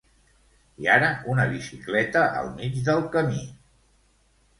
I ara una bicicleta al mig del camí!